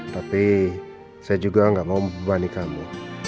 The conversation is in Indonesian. tapi saya juga gak mau membebani kamu